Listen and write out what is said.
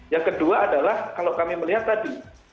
yang kedua adalah kalau kami melihat tadi